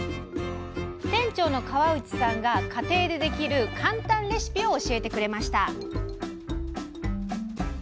店長の河内さんが家庭でできる簡単レシピを教えてくれました